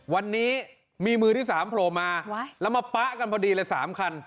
วันนี้มีมือที่๓โผล่มาแล้วมาป๊ะกันพอดีเลย๓คัน